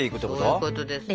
そういうことですよ。